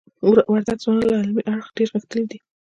وردګ ځوانان له علمی اړخ دير غښتلي دي.